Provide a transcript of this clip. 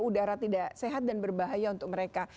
udara tidak sehat dan berbahaya untuk mereka